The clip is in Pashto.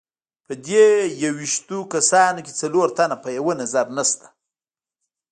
په دې یوویشتو کسانو کې څلور تنه په یوه نظر نسته.